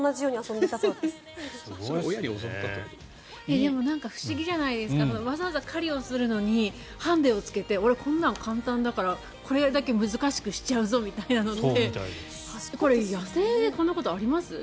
でも不思議じゃないですかわざわざ狩りをするのにハンディをつけて俺、こんなの簡単だからこれだけ難しくしちゃうぞってこれ、野生でこんなことあります？